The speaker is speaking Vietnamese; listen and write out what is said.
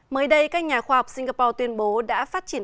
mới đây các nhà khoa học singapore tuyên bố đã phát triển